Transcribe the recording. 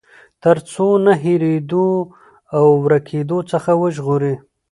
تر څو له هېريدو او ورکېدو څخه وژغوري.